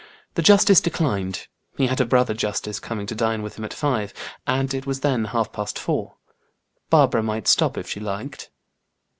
The justice declined; he had a brother justice coming to dine with him at five, and it was then half past four. Barbara might stop if she liked.